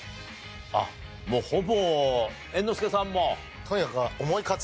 あっもうほぼ猿之助さんも？